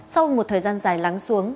sau một thời gian dài lắng xuống